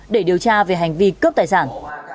để điều tra về hành vi cướp tài sản